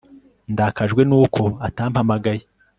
Ndakajwe nuko atampamagaye